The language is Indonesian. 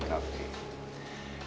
kami makan di cafe